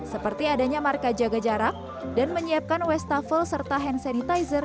seperti adanya marka jaga jarak dan menyiapkan wastafel serta hand sanitizer